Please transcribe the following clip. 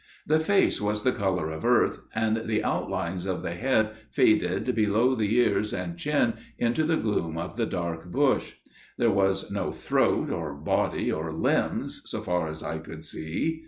The face was the colour of earth, and the outlines of the head faded below the ears and chin into the gloom of the dark bush. There was no throat, or body or limbs so far as I could see.